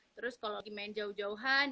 terus kalau lagi main jauh jauhan